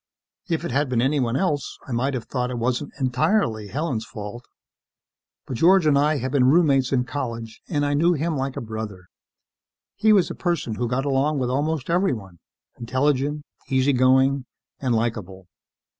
If it had been anyone else, I might have thought it wasn't entirely Helen's fault, but George and I had been roommates in college and I knew him like a brother. He was a person who got along with almost everyone. Intelligent, easy going and likeable.